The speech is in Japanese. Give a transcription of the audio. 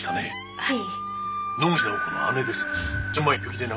はい。